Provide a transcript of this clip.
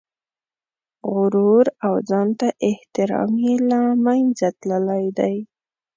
غرور او ځان ته احترام یې له منځه تللي دي.